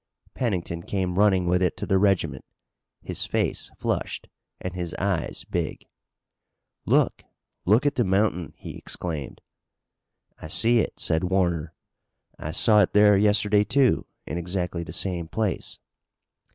Pennington came running with it to the regiment, his face flushed and his eyes big. "Look! Look at the mountain!" he exclaimed. "I see it," said Warner. "I saw it there yesterday, too, in exactly the same place."